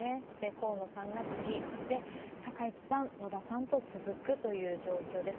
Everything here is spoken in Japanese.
河野さんが次、高市さん、野田さんと続くという状況です。